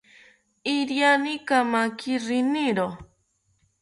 Iriani kamaki riniro